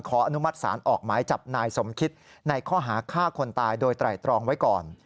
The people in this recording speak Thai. อนุมัติศาลออกหมายจับนายสมคิดในข้อหาฆ่าคนตายโดยไตรตรองไว้ก่อน